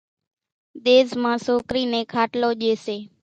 ۮيس مان سوڪرِي نين کاٽلو ڄيَ سي۔